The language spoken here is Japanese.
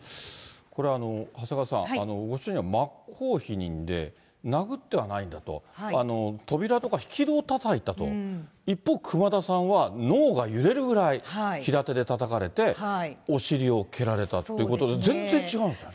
これは、長谷川さん、ご主人は真っ向否認で、殴ってはないんだと。扉とか引き戸をたたいたと、一方、熊田さんは脳が揺れるぐらい平手でたたかれて、お尻を蹴られてっていうことで、全然違うんですよね。